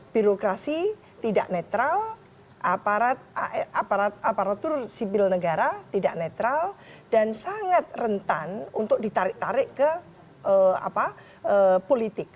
birokrasi tidak netral aparatur sipil negara tidak netral dan sangat rentan untuk ditarik tarik ke politik